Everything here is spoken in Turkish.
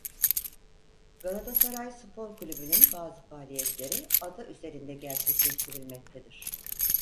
Galatasaray Spor Kulübü' nün bazı faaliyetleri ada üzerinde gerçekleştirilmektedir.